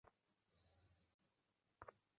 তুমি একটা পাষণ্ড!